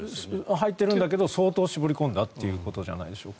入っているけれど相当絞り込んだということじゃないですか。